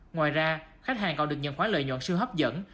ngoài ra khách hàng còn được nhận khóa lợi nhuận siêu hấp dẫn